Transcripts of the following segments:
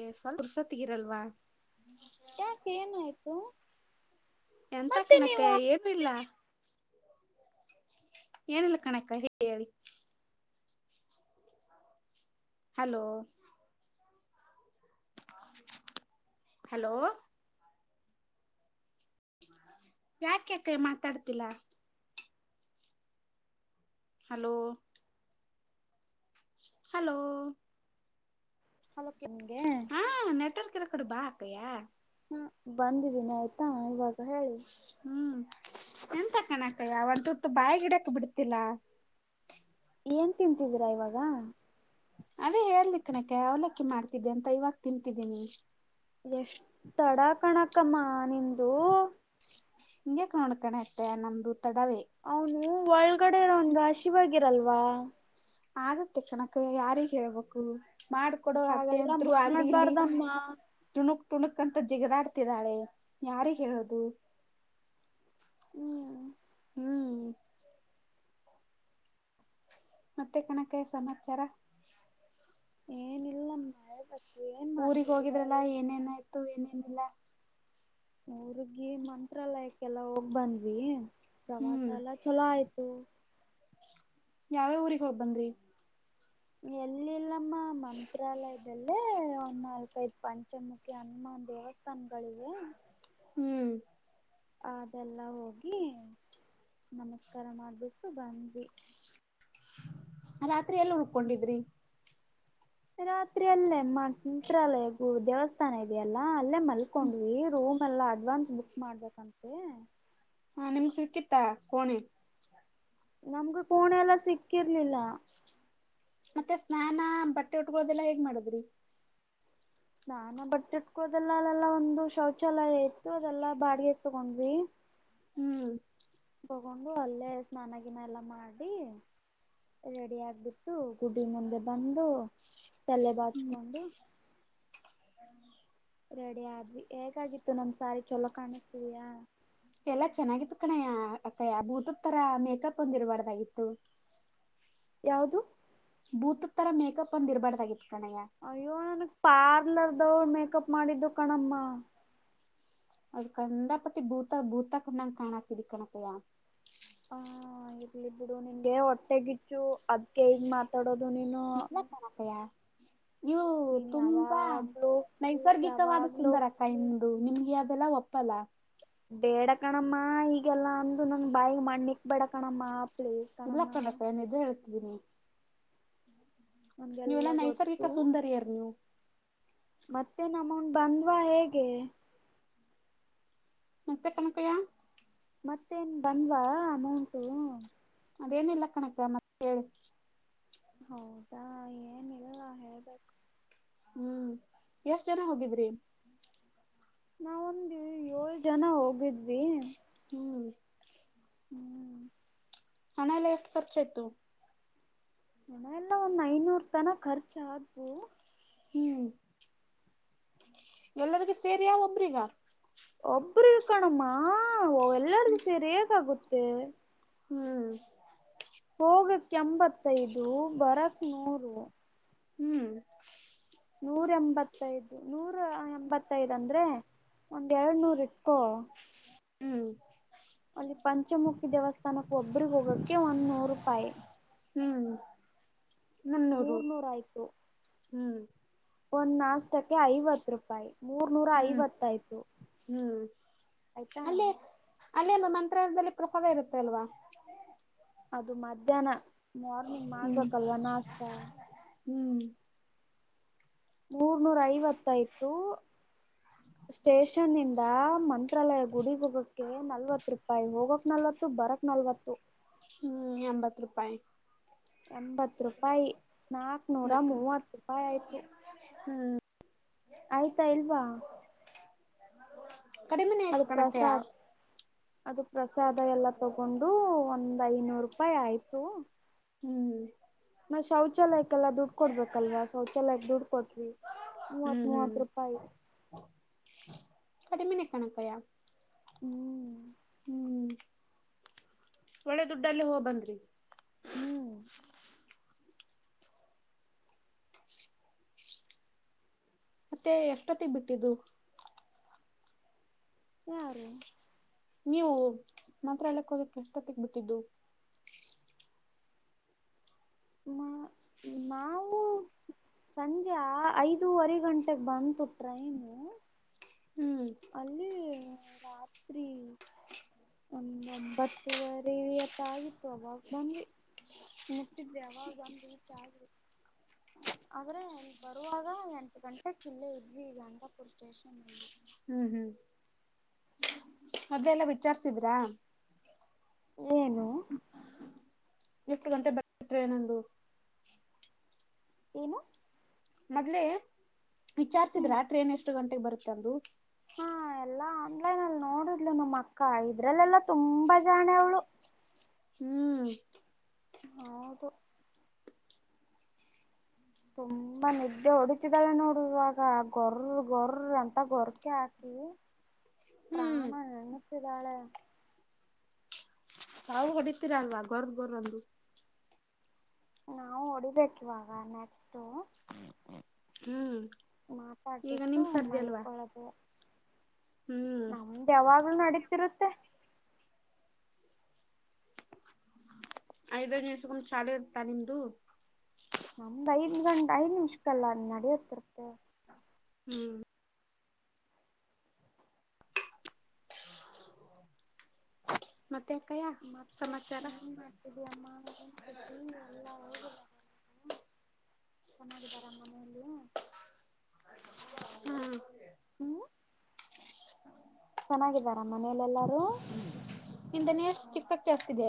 A ಸಲ್ಪ ಪುರ್ಸೊತ್ತಿಗೆ ಇರಲ್ವ ಯಾಕೆ ಏನಾಯ್ತು ಎಂತ ಮತ್ತೆ ಕನಕ್ಕ ನೀವು ಹೇಳ್ಬಿಡ್ಲಾ ಏನಿಲ್ಲ ಕಣಕ್ಕ ಹೇಳೇ ಹೇಳಿ ಹಲೋ ಹಲೋ ಯಾಕ್ಯಾಕ ಮಾತಾಡ್ತಿಲ್ಲಾ ಹಲೋ ಹಲೋ ಹಲೋ ನಿಗೆ ಹಾ ನೆಟ್ವರ್ಕ್ ಇರೋ ಕಡ ಬಾ ಅಕ್ಕಯ್ಯ ಹ ಬಂದಿದ್ದೀನಿ ಆಯ್ತಾ ಇವಾಗ ಹೇಳಿ ಹ್ಮ್ ಎಂತ ಕಣಕಯ್ಯ ಒಂದ್ ತುಟ್ಟು ಬಾಯಗ್ ಇಡಕ್ ಬಿಡ್ತಿಲ್ಲ ಏನ್ ತಿಂತಿದ್ದೀರಾ ಇವಾಗ ಅದೇ ಹೇಳಲಿ ಕಣಕ್ಕಾ ಅವಲಕ್ಕಿ ಮಾಡ್ತಿದ್ದೆ ಅಂತ ಇವಾಗ ತಿಂತಿದ್ದೀನಿ ಎಷ್ಟ ತಡ ಕಣಕಮ್ಮ ನನಿಂದು ಹಿಂಗ್ಯಾಕ್ ನೋಡ್ಕಣತೆ ನಮ್ದು ತಡವೇ ಅವನು ಒಳಗಡೆ ಇರೋನ್ಗ್ ಹಸಿವ ಆಗಿರಲ್ವಾ ಆಗತ್ತೆ ಕಣಕ್ಕಾ ಯಾರಿಗ್ ಹೇಳ್ಬೇಕು ಮಾಡ್ಕೊಡೋ ಅತ್ತೆ ಹಾಗೆಲ್ಲ ಅತ್ರು ಅಲ್ಲಿ ಇಲ್ಲಿ ಮಾಡ್ಬಾರ್ದಮ್ಮ ತಿಣಕ್ ತುಣಕಂತ ಜಿಗದಾಡ್ತಿದ್ದಾಳೆ ಯಾರಿಗ್ ಹೇಳುದು ಹ್ಮ್ ಹ್ಮ್ ಮತ್ತೆ ಕಣಕ ಸಮಾಚಾರ ಏನಿಲ್ಲ ಮಳೆ ಬರ್ತ ಊರಿಗಿ ಹೋಗಿದ್ರಲ್ಲಾ ಏನೇನಾಯ್ತು ಏನೇನಿಲ್ಲ ಊರ್ಗಿ ಮಂತ್ರಾಲಯಕ್ಕೆಲ್ಲ ಹೋಗ್ ಬಂದ್ವಿ ಪ್ರವಾಸ ಹ್ಮ್ ಎಲ್ಲಾ ಚಲೋ ಆಯ್ತ ಯಾವ್ಯ ಊರಿಗೆ ಹೋಗ್ಬಂದ್ರಿ ಎಲ್ಲಿಲ್ಲಮ್ಮ ಮಂತ್ರಾಲಯದಲ್ಲಿ ಒ ನಾಲ್ಕೈದು ಪಂಚಮುಖಿ ಅನ್ ನ ದೇವಸ್ಥಾನಗಳಿವೆ ಹ್ಮ್ ಅದೆಲ್ಲ ಹೋಗಿ ನಮಸ್ಕಾರ ಮಾಡ್ಬಿಟ್ಟು ಬಂದ್ವಿ ರಾತ್ರಿ ಎಲ್ಲಿ ಉಳಕೊಂಡಿದ್ದೀರಿ ರಾತ್ರಿ ಅಲ್ಲೇ ಮಂತ್ರಾಲಯ ಗೂ ದೇವಸ್ಥಾನ ಇದೆಯಲ್ಲಾ ಅಲ್ಲೇ ಮಲ್ಕೊಂಡ್ವಿ ರೂಮ್ ಎಲ್ಲ ಅಡ್ವಾನ್ಸ್ ಬುಕ್ ಮಾಡ್ಬೇಕಂತೆ ಹಾ ನಿಮ್ಗ್ ಸಿಕ್ಕಿತ್ತ ಕೋಣೆ ನಮಗು ಕೂಣೆಲ್ಲ ಸಿಕ್ಕಿರ್ಲಿಲ್ಲ ಮತ್ತೆ ಸ್ನಾನ ಬಟ್ಟೆ ಉಟ್ಕೊಳ್ಳೋದೆಲ್ಲಾ ಹೇಗ್ ಮಾಡದ್ರಿ ಸ್ನಾನ ಬಟ್ಟೆ ಇಟ್ಕೊದೆಲ್ಲ ಅಲ್ಲೆಲ್ಲಾ ಒಂದು ಶೌಚಾಲಯ ಇತ್ತು ಅದೆಲ್ಲಾ ಬಾಡಿಗೆ ತಗೊಂಡ್ವಿ ಹ್ಮ್ ತಗೊಂಡು ಅಲ್ಲೇ ಸ್ನಾನಗಿನ ಎಲ್ಲ ಮಾಡಿ ರೆಡಿ ಆಗ್ಬಿಟ್ಟು ಗುಡ್ಡಿ ಮುಂದೆ ಬಂದು ತಲೆ ಬಾಚ್ಕೊಂಡು ರೆಡಿ ಆದ್ವಿ ಹೇಗಾಗಿತ್ತು ನಮ್ ಸಾರಿ ಚೊಲೋ ಕಾಣಿಸತಿದಯಾ ಎಲ್ಲಾ ಚೆನ್ನಾಗಿತ್ತು ಕಣಯ ಅಕ್ಕ ಭೂತದ ತರ ಮೇಕಪ್ ಒಂದಿ ಇರಬಾರ್ದಾಗಿತ್ತು ಯಾವದು ಬೂತ ತರ ಮೇಕಪ್ ಒಂದ ಇರ್ಬಾರ್ದಾಗಿತ್ತು ಕಣಯ್ಯ ಅಯ್ಯೋ ನನಗ್ ಪಾರ್ಲರ್ದವ್ರು ಮೇಕಪ್ ಮಾಡಿದ್ದು ಕಣಮ್ಮ ಅದು ಕಂಡಪಟ್ಟಿ ಭೂತ ಭೂತ ಕಂಡಂಗ ಕಾಣಾತರಿ ಕಣಕಯ್ಯ ಹ ಇರ್ಲಿ ಬಿಡು ನಿಂಗೆ ಹೊಟ್ಟೆಗಿಚ್ಚು ಅದ್ಕ ಈಗ್ ಮಾತಾಡೋದು ನೀನು ಇಲ್ಲ ಕಣ ಅಕ್ಕಯ್ಯ ಅಪ್ಪಯಾ ಇವು ನೀನ್ ತುಂಬಾ ಯಾವಾಗ್ಲೂ ನೈಸರ್ಗಿಕವಾದ ಯಾವಾಗ್ಲೂ ಸುಂದರ ಕೈಂದು ನಿಮ ಈ ಅದೆಲ್ಲ ಒಪ್ಪಲ್ಲ ಬೇಡ ಕಣಮ್ಮ ಈಗೆಲ್ಲಾ ಅಂದು ನನ್ ಬಾಯಗ್ ಮಣ್ಣ ನಿಕ್ ಬೇಡ ಕಣಮ್ಮ ಪ್ಲೀಸ್ ಕಣಮ್ಮ ಇಲ್ಲಕ್ಕಣಕ ಏನ ಇದೆ ಹೇಳ್ತಿದೀನಿ ನನ್ಗೆಲ್ಲ ನೀವೆಲ್ಲಾ ನೈಸರ್ಗಿಕ ಸುಂದರ್ಯರ ನೀವು ಮತ್ತೆ ನಮೌನ್ ಬಂದ್ವಾ ಹೇಗೆ ಮಂತೆ ಕಣ ಅಕ್ಕಯ್ಯ ಮತ್ತೇನ್ ಬಂದವಾ ಅಮೌಂಟು ಅದೇನಿಲ್ಲ ಕಣಕ ಮತ್ತೆ ಹೇಳಿ ಹೌದಾ ಏನಿಲ್ಲಲ್ಲ ಹೇಳ್ಬೇಕು ಹ್ಮ್ ಎಷ್ಟ ಜನ ಹೋಗಿದ್ರಿ ನಾವೊಂದು ಏಳ ಜನ ಹೋಗಿದ್ವಿ ಹ್ಮ್ ಹ್ಮ್ ಹಣ ಎಲ್ಲ ಎಷ್ಟು ಖರ್ಚ್ ಐತು ಮನ ಎಲ್ಲ ಒಂದ್ ಐನೂರ್ ತನ ಖರ್ಚ ಆದ್ವು ಹ್ಮ್ ಎಲ್ಲರಿಗ ಸರಿ ಒಬ್ರಿಗಾ ಒಬ್ರಗ ಕಣಮ್ಮಾ ಎಲ್ಲರಿಗೂ ಸೇರಿ ಹೇಗ ಆಗುತ್ತೆ ಹ್ಮ್ ಹೋಗಕ್ಕೆ ಎಂಬತ್ತೈದು ಬರಕ್ ನೂರು ಹ್ಮ್ ನೂರ ಎಂಬತ್ತೈದು ನೂರ ಎಂಬತ್ತೈದ ಅಂದ್ರೆ ಒಂದ್ ಎರಡು ನೂರು ಇಟ್ಟೋ ಹ್ಮ್ ಅಲ್ಲಿ ಪಂಚಮುಖಿ ದೇವಸ್ಥಾನಕ್ಕೆ ಒಬ್ರಿಗೆ ಹೋಗಕ್ಕೆ ಒಂದ್ ನೂರು ರೂಪಾಯಿ ಹ್ಮ್ ನನ್ನೂರು ಮೂರ್ ನೂರ ಹ್ಮ್ ಒಂದು ನಾಷ್ಟಕ್ಕೆ ಐವತ್ತು ರೂಪಾಯಿ ಮೂರ್ನೂರ ಹ್ಮ್ ಐವತ್ತಾಯ್ತು ಹ್ಮ್ ಆಯ್ತಾ ಅಲ್ಲೇನು ಮಂತ್ರಾದಲ್ಲಿ ಪ್ರಭಾವೇ ಇರುತ್ತೆ ಅಲ್ವಾ ಅದು ಮಧ್ಯಾಹ್ನ ಮಾರ್ನಿಂಗ್ ಹ್ಮ್ ಮಾಡ್ಬೇಕಲ್ವಾ ನಾಷ್ಟತ ಹ್ಮ್ ಮೂರ್ನೂರ ಐವತ್ತೈತು ಸ್ಟೇಷನ್ಂದ ಮಂತ್ರಾಲಯ ಗುಡಿ ಹೋಗಕ್ಕೆ ನಲ್ವತ್ ರೂಪಾಯಿ ಹೋಗಕ್ ನಲ್ವತ್ ಬರಕ್ ನಲ್ವತ್ತು ಹ್ಮ್ ಎಂಬತ್ತು ರೂಪಾಯಿ ಎಂಬತ್ ರೂಪಾಯಿ ನಾಕ್ನೂರ ಮೂವತ್ತು ರೂಪಾಯಿ ಆಯ್ತು ಆಯ್ತಾ ಇಲ್ವಾ ಕಡಿಮೆನೆ ಅದು ಆಯ್ತು ಕಣಕ್ಕಯ್ಯ ಪ್ರಸಾಾದ್ ಅದು ಪ್ರಸಾದ ಎಲ್ಲ ತಗೊಂಡು ಒಂದ್ ಐನೂರು ರೂಪಾಯಿ ಆಯ್ತು ಹ್ಮ್ ಮ ಶೌಚಾಲಯ ಕ್ಕೆಲ್ಲ ದುಡ್ಡು ಕೊಡ್ಬೇಕಲ್ವಾ ಶೌಚಾಲಯಕ್ಕೆ ದುಡ್ಡು ಕೊಟ್ರಿ ಮೂವತ್ ಹ್ಮ್ ಹ್ಮ್ ಮೂವತ್ ರೂಪಾಯಿ ಕಡಿಮಿನೆ ಕಣಕ್ಕಯಾ ಹ್ಮ್ ಹ್ಮ್ ಒಳ್ಳೆ ದುಡ್ಡಲ್ಲ ಹೋಗ ಬಂದ್ರಿ ಹ್ಮ್ ಮತ್ತೆ ಎಷ್ಟೊತ್ತಿಗೆ ಬಿಟ್ಟಿದ್ದು ಸಾರ ನೀವು ಮಾತ್ರ ಎಕ್ ಹೋಗಕ್ಕೆ ಎಷ್ಟೊತ್ತಗ್ ಬಿಟ್ಟಿದ್ದು ಮ ನಾವು ಸಂಜೆ ಐದೂವರೆ ಗಂಟೆಗೆ ಬಂತು ಟ್ರೈನು ಹ್ಮ್ ಅಲ್ಲಿ ರಾತ್ರಿ ಒ ಒಂಬತ್ತುವರಿಯತ್ತ ಆಗಿತ್ತು ಅವಾಗ ಬಂದ್ವಿ ಮುಟ್ಟಿದ್ರೆ ಅವಾಗ ಒಂದ್ ರೀಚ್ ಆಗ ಆದ್ರೆ ಇಲ್ಲಿ ಬರುವಾಗ ಎಂಟು ಗಂಟೆ ಕಿಲ್ಲೆ ಇದ್ವಿ ಗಟಾಪುರ್ ಸ್ಟೇಷನ್ಲ್ಲಿ ಹ್ಮ್ ಅದೆಲ್ಲ ವಿಚಾರ್ಸಿದ್ರಾ ಏನು ಎಫು ಗಂಟೆ ಬಟ್ರೇ ನಂದು ಏನು ಮೊದ್ಲೆೇ ವಿಚಾರ್ಸಿದ್ರ ಟ್ರೇನ್ ಎಷ್ಟು ಗಂಟೆಗೆ ಬರುತ್ತಂದು ಎಲ್ಲ ಆನ್ಲೈನ್ ಅಲ್ಲಿ ನೋಡಿದ್ಲು ನಮ್ಮ ಅಕ್ಕ ಇದ್ರಲ್ಲೆಲ್ಲಾ ತುಂಬಾ ಜಾಣೆ ಅವಳು ಹ್ಮ್ ಹಾದು ತುಂಬಾ ನಿದ್ದೆ ಹೊಡಿತಿದ್ದಾಳೆ ನೋಡುವಾಗ ಗೊರ ಗೊರ್ರ ಅಂತ ಗೊರ್ಕೆ ಹಾಕಿ ಹ್ಮ್ ಪ್ರಾಣ ಎಂಗತ್ತುದಾಳೆ ತಾವು ಹೊಡಿತೀರ ಅಲ್ವಾ ಗೊರ್ದ ಗೊರ್ಂದು ನಾವು ಹೊಡಿಬೇಕ ಇವಾಗ ನೆಕ್ಸ್ಟು ಹ್ಮ್ ಈಗ ಮಾತಾಡ್ಬಿಟ್ಟು ನಿಮ್ ಸರ್ದಿ ಅಲ್ವಾ ಮಲ್ಕೊಳ್ಳೋದು ಹ್ಮ್ ನಮ್ದು ಯಾವಾಗ್ಲೂ ನಡೀತಿರುತ್ತೆ ಐದ ನಿಿವಸಕ ಚಾಲ ಇತ ನಿಮ್ದು ಲ್ಲಾ ನಡ ತರತೆ ಹ್ಮ್ ಮತ್ತೆ ಅಕ್ಕಯ್ಯ ಮತ್ತಷ್ಟ ಸಮಾಚಾರ ಹೆಂಗ ಮಾಡ್ತಿದ್ವಿ ಅಮ್ಮನಗಂತ್ದೀ ಎಲ್ಲಾ ಹೇೋಗಿದ ಹ ಚೆನ್ನಾಗಿದ್ದಾರ ಮನೆಯಲ್ಲಿಯ ಹ್ಮ್ ಹ್ಮ್ ಹ ಚೆನ್ನಾಗಿದ್ದಾರ ಮನೇಲೆಲ್ಲಾರು ನಿಂತ [unintelligible] ಕೇಳಸತ್ತಿದೆ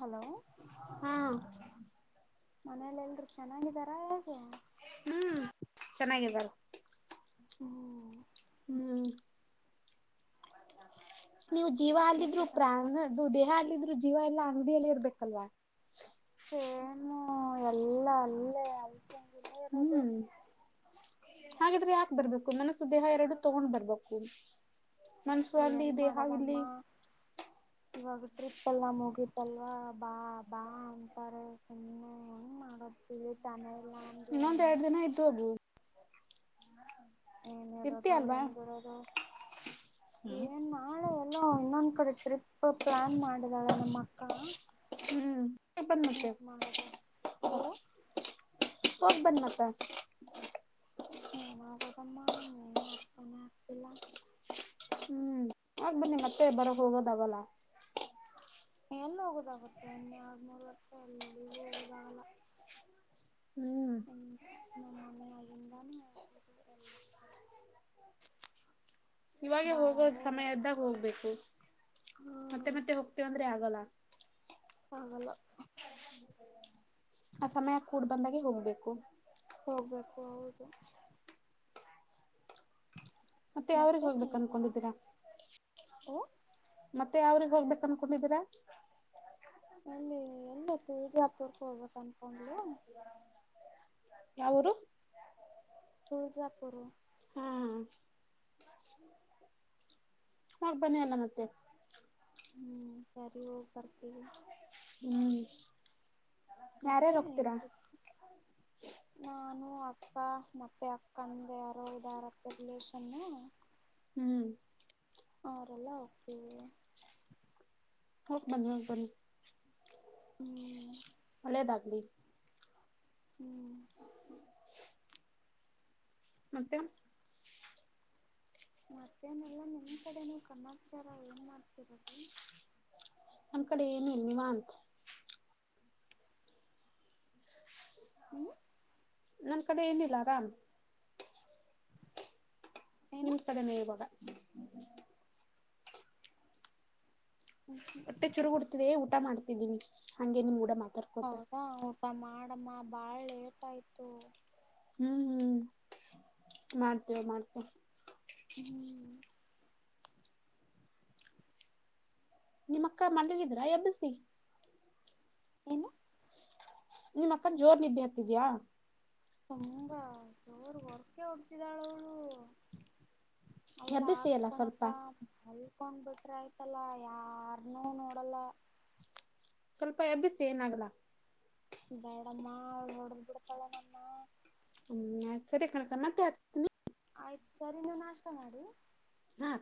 ಹಲೋ ಹಾ ಮನೇಲೆಲ್ರು ಚೆನ್ನಾಗಿದಾರಾ ಹೇಗೆ ಹ್ಮ್ ಚೆನ್ನಾಗಿದ್ದಾರೆ ಹ್ಮ್ ಹ್ಮ್ ನೀವು ಜೀವ ಮತ್ತೆ ಅಲ್ಲಿದ್ರು ಕಣಕ್ಕ ಪ್ರಾಣದು ದೇಹ ಅಲ್ಲಿದ್ರು ಜೀವ ಎಲ್ಲಾ ಅಂಗಡಿಯಲ್ಲಿ ಇರ್ಬೇಕಲ್ವಾ. ಸೇಮು ಎಲ್ಲಾ ಅಲ್ಲೇ ಅಸಲ್ಲರದು ಹ್ಮ್ [unintelligible] ಹಾಗಿದ್ರೆ ಯಾಕ ಬರ್ಬೇಕು ಮನಸ್ಸು ದೇಹ ಎರಡು ತಗೊಂಡ್ ಬರ್ಬೇಕು ಮನ್ಸು ಅಲ್ಲಿ ಏನ್ ದೇಹ ಮಾಡದಮ್ಮ ಇಲ್ಲಿ. ಇವಾಗ ಟ್ರಿಪ್ ಎಲ್ಲಾ ನ ಮುಗತಲ್ವಾ ಬಾ ಬಾ ಅಂತಾರೆ ಸುಮ್ಮನೆ ಹೆಂಗ ಮಾಡದು ತಾನೆ ಇನ್ನೊಂದ ಎರಡು ದಿನ ಇದ್ ಹೋಗು ಇರ್ತಿ ಏನಿರೋದು ಅಲ್ವಾ ಏನ್ ಬಿಡೋದು ಏನ್ ನಾಳೆ ಎಲ್ಲೋ ಇನ್ನೊಂದು ಕಡೆ ಟ್ರಿಪ್ ಪ್ಲಾನ್ ಮಾಡಿದ್ದಾಳೆ ನಮ್ಮ ಅಕ್ಕಾ ಹ್ಮ್ಂ [unintelligible] ಮಾಡದ ಓ ಹೋಗ್ ಬನ್ನಿ ಮತ್ತೆ [inaudible] ಎನ್ ಹೋಗೊದಮ್ಮಾ ಎನು ಅರ್ಥಾನೆ ಆಗ್ತಿಲ್ಲ ಹ್ಮ್ ಆ ಹೋಗಿ ಬನ್ನಿ ಮತ್ತೆ ಬರಕ್ ಹೋಗೋದಾವಲ್ಲ ಎಲ್ಲಿ ಹೋಗುದಾಗುತ್ತೆ ಇನ್ನೆ ಆರ್ ಮೂರು ವರ್ಷ ಎಲ್ಲಿಗೂ ಹೋಗುದಾಗಲ್ಲ್ ಹ್ಮ್ ನಮ್ಮಣ [unintelligible] ಎಲ್ಲಾ ಇವಾಗೇ ಹೋಗೋದು ಸಮಯದ್ದಾಗ ಹೋಗ್ಬೇಕು ಹಾ ಮತ್ತೆ ಮತ್ತೆ ಹೋಗ್ತೇವಂದ್ರೆ ಆಗಲ್ಲ ಆಗಲ್ ಆ ಸಮಯ ಕೂಡ್ ಬಂದಾಗೆ ಹೋಗ್ಬೇಕು ಹೋಗ್ಬೇಕು ಹೌದು ಮತ್ತೆ ಯಾವ್ರಿಗೆ ಹೋಗ್ಬೇಕು ಏನ್ ಮಾಡ ಅನ್ಕೊಂಡಿದ್ದೀರಾ ಓ ಮತ್ತೆ ಯಾವ್ರಿಗೆ ಹೋಗ್ಬೇಕ ಅನ್ಕೊಂಡಿದೀರಾ ನ ಎಲ್ಲಪ್ಪ ವಿಜಾಪುರಕ್ಕೆ ಹೋಗಬೆಕಂತ್ ಯಾವರೂ ತುಳಜಾಪುರ ಹ್ಮ್ ಹೋಗ ಬನ್ನಿ ಅಲ್ಲ ಮತ್ತೆ ಹ್ಮ್ ಸರಿ ಹೋಗ್ ಬರ್ತೀವಿ ಹ್ಮ ಮತ್ತೆ ಏನ್ಸ ನಾನು ಅಕ್ಕ ಮತ್ತೆ ಅಕ್ಕ ಅಂದ ಯಾರೋದ ಯಾರಕ್ಕ ರಿಲಷನ್ನು ಹ್ಮ್ ಅವ್ರರೆಲ್ಲ ಹೋಗ್ತವಿ ಹೋಗಿ ಬನ್ನಿ [unintelligible] ಹ್ಮ್ [unintelligible] ಹ್ಮ್ [unintelligible] ಮತ್ತೆ ಮತ್ತೇನಲ್ಲ ನಿಮ್ ಕಡೆನೂ ಸಮಾಚಾರ ಏನ್ ಮಾಡ್ತಿರೋದು. ನಮ್ಮ ಕಡೆ ಏನು ನಿವಾತ್ ಹ್ಮ್. ನಮ್ಮ್ ಕಡೆ ಏನಿಲ್ಲ ಆರಾಮ್. ಏನು ನಿಮ್ ಕಡೆನೇ ಇವಾಗ. ಹ್ಮ್ ಒಟ್ಟೆ ಚುರುಡ್ತಿದೆ ಊಟ ಮಾಡ್ತಿದ್ದೀನಿ ಹಂಗೆ ನಿಮ್ ಊಡ ಮಾತ್. ಹೌದಾ ಊಟ ಮಾಡಮ್ಮ ಬಾಳ್ ಲೇಟ್ ಆಯ್ತು. ಹ್ಮ್ ಹ್ಮ್ ಮಾಡ್ತೇವೆ ಮಾಡ್ತೇವೆ. ಹ್ಮ್. ನಿಮ್ಮ ಅಕ್ಕ ಮಳಿಗಿದ್ರ ಎಬ್ಬಿಸಿ. ಏನು ನಿಮ್ಮ ಅಕ್ಕ ಜೋರ್ ನಿದ್ದೆ ಹತ್ತಿದ್ಯಾ. ತುಂಬಾ ಜೋರ್ ಹೊರ್ಕೆ ಹೊಡಿತ್ತಿದಾಳ ಅವಳು. ಅವಳು ಎಬ್ಬಿಸಿ ಹಾಗೆ ಅಲ್ಲ ಕಣಕ್ಕ ಸ್ವಲ್ಪ ಮಲ್. ಕೊಂಡ್ ಬಿಟ್ರೆ ಆಯ್ತಲ್ಲ ಯಾರನೂ ನೋಡಲ್ಲ. ಸ್ವಲ್ಪ ಎಬ್ಬಿಸಿ ಏನಾಗಲ್ಲ. ಬೇಡಮ್ಮ ಅವಳು ಹೊಡಿದ್ ಬಿಡ್ತಾಳೆ ನನ್ನ. ಹ್ಮ್ ಸರಿ ಕಣಕ್ಕ ಮತ್ತೆ ಹಚ್ತೀನಿ. ಆಯ್ತು ಸರಿ ನೀವು ನಾಷ್ಟ ಮಾಡಿ. ಹಾ.